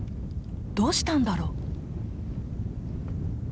どうしたんだろう？